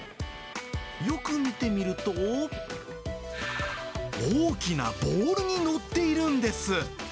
よく見てみると、大きなボールに乗っているんです。